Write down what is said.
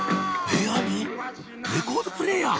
部屋にレコードプレーヤー！